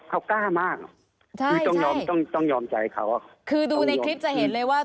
เขากล้ามากอ่ะใช่คือต้องยอมต้องต้องยอมใจเขาอ่ะคือดูในคลิปจะเห็นเลยว่า